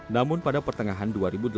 namun pada pertengahan dua ribu delapan belas